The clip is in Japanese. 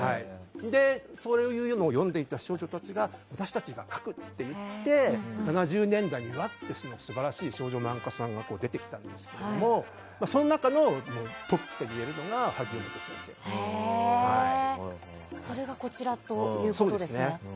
そういうのを読んでいた少女たちが私たちが描く！って言って７０年代に素晴らしい少女漫画家さんたちが出てきたんですがその中のトップといえるのがそれがこちらですね。